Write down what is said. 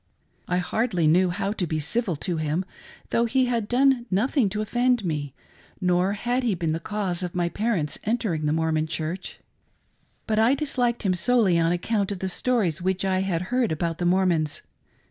I hardly knew how to be civil to him, though he had done no thing to offend me, nor had he been the cause of my parents entering the Mormon Church ; but I disliked him solely on account, of the stories which I had heard about the Mormons.